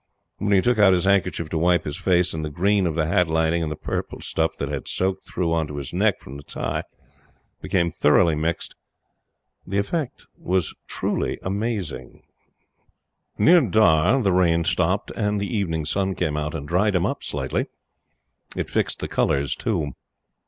When he took out his handkerchief to wipe his face and the green of the hat lining and the purple stuff that had soaked through on to his neck from the tie became thoroughly mixed, the effect was amazing. Near Dhar the rain stopped and the evening sun came out and dried him up slightly. It fixed the colors, too.